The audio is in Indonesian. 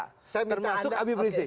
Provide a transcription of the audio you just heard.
termasuk abib rizik